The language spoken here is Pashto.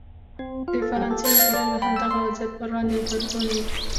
د فرانسې انقلاب د همدغه وضعیت پر وړاندې غبرګون و.